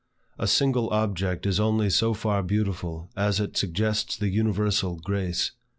A single object is only so far beautiful as it suggests this universal grace.